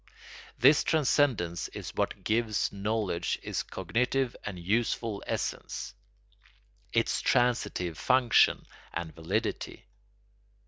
This transcendence is what gives knowledge its cognitive and useful essence, its transitive function and validity.